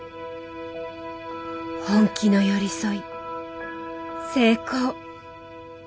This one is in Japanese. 本気の寄り添い成功。